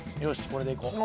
これでいこう。